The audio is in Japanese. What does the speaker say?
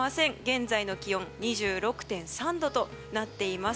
現在の気温２６．３度となっています。